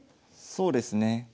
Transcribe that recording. そうですね。